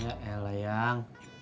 ya elah yang